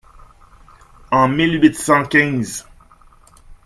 En mille huit cent quinze